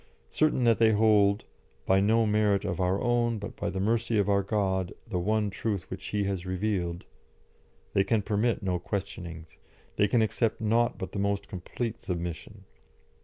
Certain that they hold, "by no merit of our own, but by the mercy of our God, the one truth which He has revealed," they can permit no questionings, they can accept nought but the most complete submission.